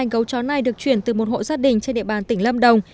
hai gấu chó này được chuyển từ một hộ gia đình trên địa bàn tỉnh lâm đồng